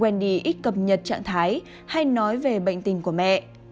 wendy ít cập nhật trạng thái hay nói về bệnh tình của mẹ